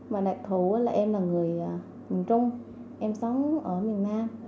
và đặc thù là em là người miền trung em sống ở miền nam